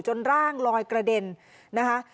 ร่างลอยกระเด็นนะคะ